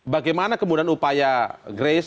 bagaimana kemudian upaya grace